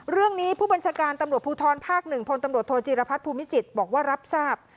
เรื่องนี้ผู้บัญชาการตำรวจภูทรภาค๑พตธธภูมิจิตบอกว่ารับทราบ